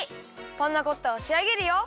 パンナコッタをしあげるよ！